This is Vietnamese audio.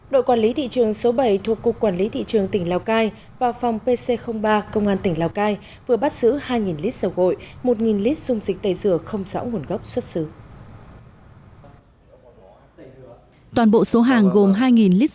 đội quản lý thị trường số bảy thuộc cục quản lý thị trường tỉnh lào cai và phòng pc ba công an tỉnh lào cai vừa bắt giữ hai lít dầu gội một lít dung dịch tẩy rửa không rõ nguồn gốc xuất xứ